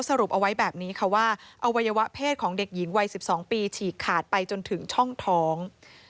สรุปเอาไว้แบบนี้ค่ะว่าอวัยวะเพศของเด็กหญิงวัย๑๒ปีฉีกขาดไปจนถึงช่องท้อง